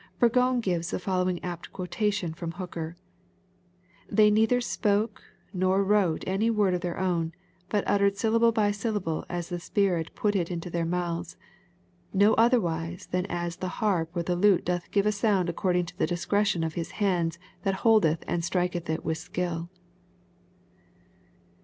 Burgon gives the following apt quotation from Hooker :—" They neither spake nor wrote any word of their own, but uttered syllable by syllable as the Spirit put it into their mouths ; no otherwise than as the harp or the lute doth give a sound according to the discretion of hia hands that holdeth and striketh it with sldll."